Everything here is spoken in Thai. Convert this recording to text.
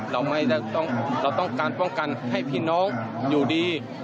เราต้องการป้องกันให้พี่น้องอยู่ดี